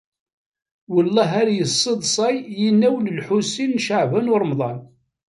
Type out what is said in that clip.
Wellah ar yesseḍsay yinaw n Lḥusin n Caɛban u Ṛemḍan.